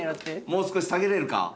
もう少し下げれるか？